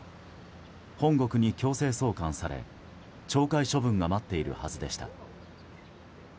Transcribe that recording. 本国に強制送還され、懲戒処分が待っているはずでした。